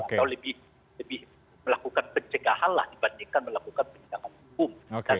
atau lebih melakukan pencegahan dibandingkan melakukan peninjakan hukum